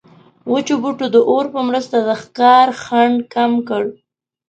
وچو بوټو د اور په مرسته د ښکار خنډ کم کړ.